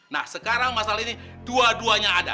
nah sekarang masalah ini dua duanya ada